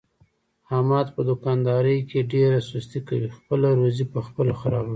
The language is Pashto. احمد په دوکاندارۍ کې ډېره سستي کوي، خپله روزي په خپله خرابوي.